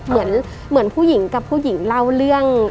เหมือนผู้หญิงกับผู้หญิงเล่าเรื่อง